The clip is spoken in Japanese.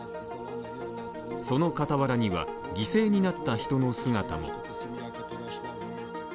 その傍らには、犠牲になった人の姿も。